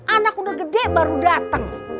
anak udah gede baru datang